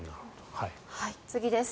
次です。